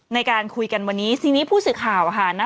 ในการคุยกันวันนี้ทีนี้ผู้สื่อข่าวค่ะ